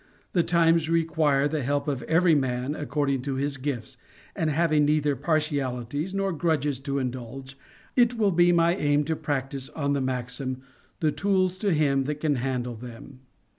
The times require the help of every man according to his gifts, and, having neither partialities nor grudges to indulge, it will be my aim to practice on the maxim, "the tools to him that can handle them."